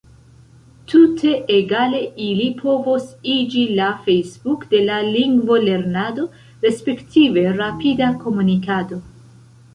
Tute egale ili povos iĝi la Facebook de la lingvolernado, respektive rapida komunikado.